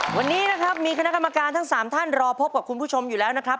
วันนี้นะครับมีคณะกรรมการทั้ง๓ท่านรอพบกับคุณผู้ชมอยู่แล้วนะครับ